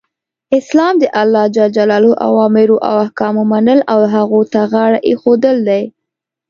اسلام د الله ج اوامرو او احکامو منل او هغو ته غاړه ایښودل دی .